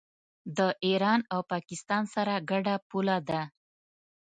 د ایران او پاکستان سره ګډه پوله ده.